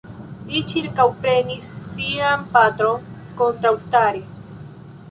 Li ĉirkaŭprenis sian patron kontraŭstare.